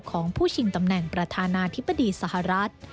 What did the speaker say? ของผู้ชิงตำแหน่งประธานาธิบดีสหรัฐ